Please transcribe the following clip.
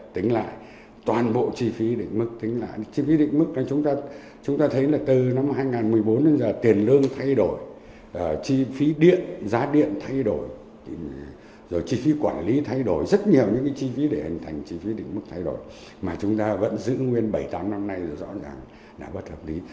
tính lại toàn bộ chi phí định mức chúng ta thấy từ năm hai nghìn một mươi bốn đến giờ tiền lương thay đổi chi phí giá điện thay đổi chi phí quản lý thay đổi rất nhiều chi phí để hình thành chi phí định mức thay đổi mà chúng ta vẫn giữ nguyên bảy tám năm nay rồi rõ ràng là bất hợp lý